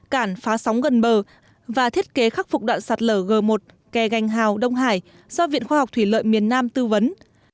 cản phá sóng gần bờ và thiết kế khắc phục đoạn sạt lở g một kè gành hào đông hải do viện khoa học thủy lợi miền nam tư vấn